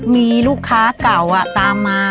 มีลูกค้าเก่าตามมา